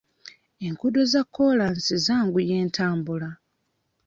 Enguudo za kkoolansi zanguya entambula.